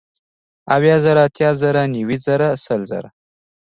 اويه زره ، اتيا زره نوي زره سل زره